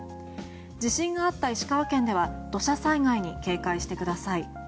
地震があった石川県では土砂災害に警戒してください。